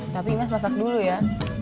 tapi mas masak dulu ya